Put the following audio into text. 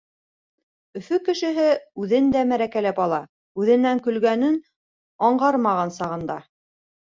Өфө кешеһе үҙен дә мәрәкәләп ала. Үҙенән көлгәнен аңғармаған сағында.